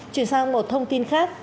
chuyển sang một thông tin khác